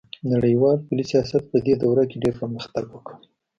نړیوال پولي سیاست پدې دوره کې ډیر پرمختګ وکړ